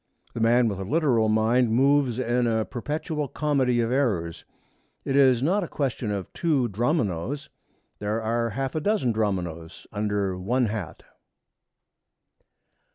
The man with a literal mind moves in a perpetual comedy of errors. It is not a question of two Dromios. There are half a dozen Dromios under one hat.